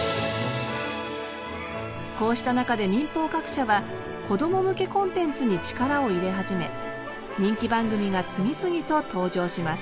こうした中で民放各社はこども向けコンテンツに力を入れ始め人気番組が次々と登場します